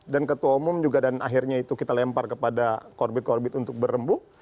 dan ketua umum juga dan akhirnya itu kita lempar kepada korbit korbit untuk berembuk